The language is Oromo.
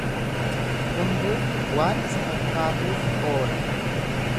Hunduu waan isa fakkaatuuf oola.